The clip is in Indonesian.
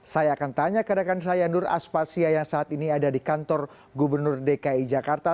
saya akan tanya ke rekan saya nur aspasya yang saat ini ada di kantor gubernur dki jakarta